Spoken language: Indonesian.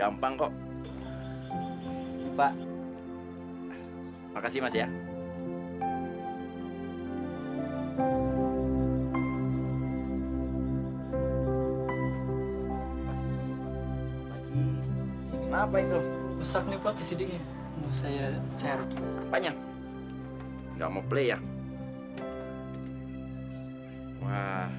hai apa itu rusaknya pak sidiq saya saya rufus banyak nggak mau play ya